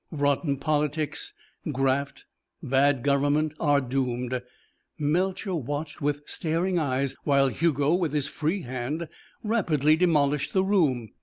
Rotten politics, graft, bad government, are doomed." Melcher watched with staring eyes while Hugo, with his free hand, rapidly demolished the room.